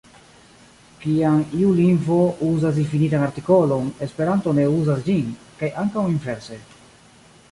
Kiam iu lingvo uzas difinitan artikolon, Esperanto ne uzas ĝin, kaj ankaŭ inverse.